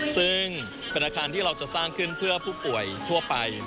ซึ่งเป็นอาคารที่เราจะสร้างขึ้นเพื่อผู้ป่วยทั่วไป